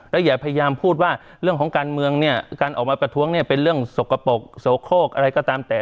แล้วอย่าพยายามพูดว่าเรื่องของการเมืองเนี่ยการออกมาประท้วงเนี่ยเป็นเรื่องสกปรกโสโคกอะไรก็ตามแต่